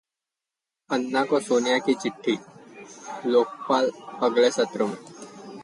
अन्ना को सोनिया की चिट्ठी, लोकपाल अगले सत्र में